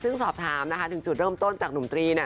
ซึ่งสอบถามนะคะถึงจุดเริ่มต้นจากหนุ่มตรีเนี่ย